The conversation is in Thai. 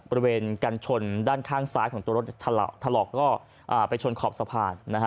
บริเวณกันชนด้านข้างซ้ายของตัวรถถลอกก็ไปชนขอบสะพาน